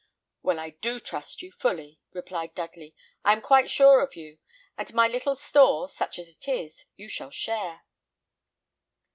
"Well, I do trust you fully," replied Dudley; "I am quite sure of you; and my little store, such as it is, you shall share."